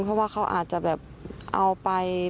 เพราะว่าเขาอาจจะแบบเอาไป